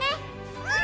うん！